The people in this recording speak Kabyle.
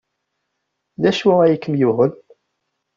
D acu ay kem-yuɣen?